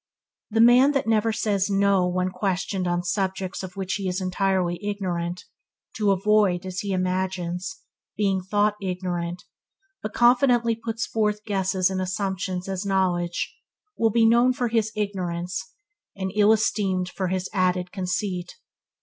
The man that never says "no" when questioned on subjects of which he is entirely ignorant, to avoid, as he imagines, being thought ignorant, but confidently puts forward guesses and assumptions as knowledge, will be known for his ignorance, and ill esteemed for his added conceit.